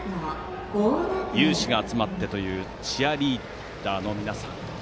有志が集まってというチアリーダーの皆さん。